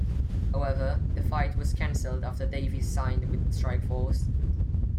However, the fight was cancelled after Davis signed with Strikeforce.